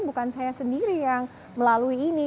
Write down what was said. bukan saya sendiri yang melalui ini